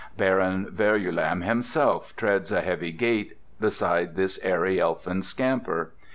Baron Verulam himself treads a heavy gait beside this airy elfin scamper.